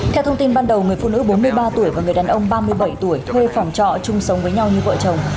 theo thông tin ban đầu người phụ nữ bốn mươi ba tuổi và người đàn ông ba mươi bảy tuổi thuê phòng trọ chung sống với nhau như vợ chồng